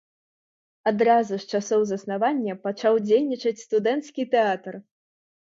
Адразу з часоў заснавання пачаў дзейнічаць студэнцкі тэатр.